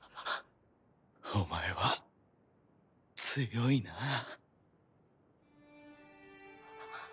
お前は強いな。